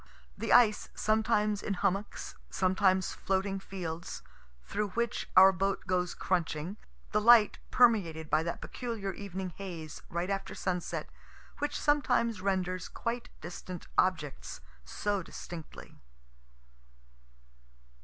The ice, sometimes in hummocks, sometimes floating fields, through which our boat goes crunching. The light permeated by that peculiar evening haze, right after sunset, which sometimes renders quite distant objects so distinctly.